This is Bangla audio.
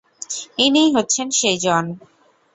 ইনিই হচ্ছেন সেইজন!